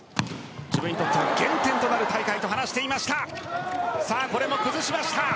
自分にとって原点となる大会と話していました。